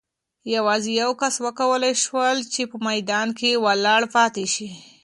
یوازې یو کس وکولای شول چې په میدان کې ولاړ پاتې شي.